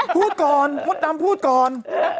พูดก่อนมดดำพูดก่อน